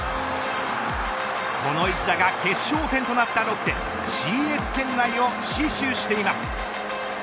この一打が決勝点となったロッテＣＳ圏内を死守しています。